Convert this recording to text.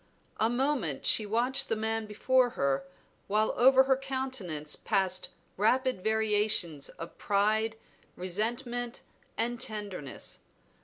A moment she watched the man before her, while over her countenance passed rapid variations of pride, resentment, and tenderness.